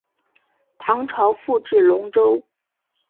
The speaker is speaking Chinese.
唐朝复置龙州。